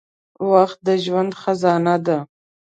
• وخت د ژوند خزانه ده.